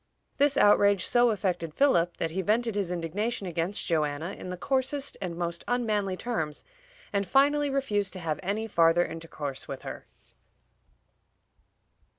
This outrage so affected Philip that he vented his indignation against Joanna in the coarsest and most unmanly terms, and finally refused to have any farther intercourse with her.